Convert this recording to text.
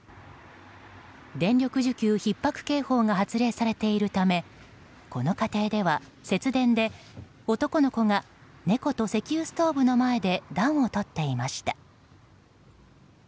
電力需給ひっ迫警報が発令されているためこの家庭では、節電で男の子が猫と石油ストーブの前で暖をとっていました。